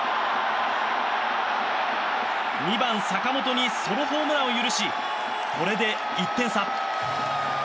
２番、坂本にソロホームランを許しこれで１点差。